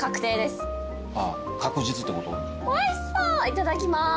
いただきます。